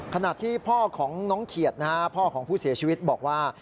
ขณะที่พ่อของน้องเขียดนะฮะพ่อของผู้เสียชีวิตบอกว่า